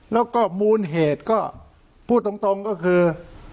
แล้วก็มูลเหตุก็พูดตรงก็คือ